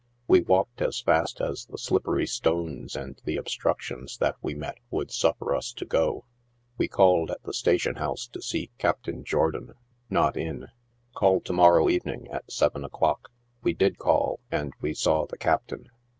We walked as fast as the slippery stones and the obstructions that we met would suffer us to go. We called at the station house (o see Captain Jourdan. Not in. l: Call to morrow evening, at seven o'clock." We did call, and we saw the Captain.